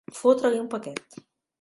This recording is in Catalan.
Fotre-li un paquet.